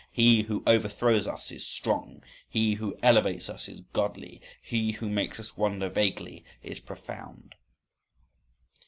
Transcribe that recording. "He who overthrows us is strong; he who elevates us is godly; he who makes us wonder vaguely is profound."